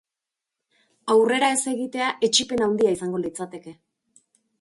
Aurrera ez egitea etsipen handia izango litzateke.